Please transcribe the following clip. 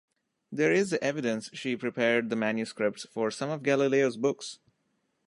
There is evidence she prepared the manuscripts for some of Galileo's books.